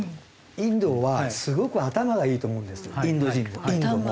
インドはすごく頭がいいと思うんですインド人もインドも。